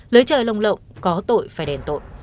lới trời lồng lộng có tội phải đèn tội